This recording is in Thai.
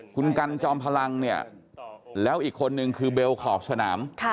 คุณกันจอมพลังเนี่ยแล้วอีกคนนึงคือเบลขอบสนาม